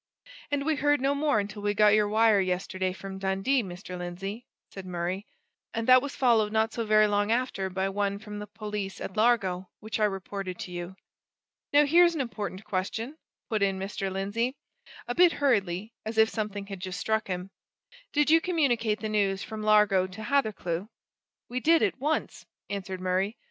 "And we heard no more until we got your wire yesterday from Dundee, Mr. Lindsey," said Murray; "and that was followed not so very long after by one from the police at Largo, which I reported to you." "Now, here's an important question," put in Mr. Lindsey, a bit hurriedly, as if something had just struck him. "Did you communicate the news from Largo to Hathercleugh?" "We did, at once," answered Murray.